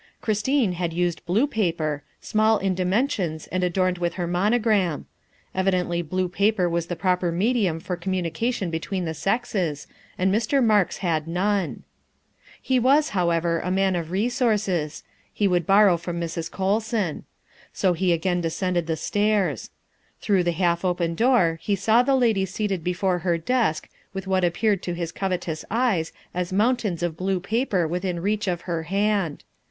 Christine had used blue paper, small in dimensions and adorned with her mono gram. Evidently blue paper was the proper medium for 316 THE WIFE OF communication between the sexes, and Mr. Marks had none. He was, however, a man of resources; he would borrow from Mrs. Colson. So he again descended the stairs. Through the half open door he saw the lady seated before her desk with what appeared to his covet ous eyes as mcuntains of blue paper within reach of her hand.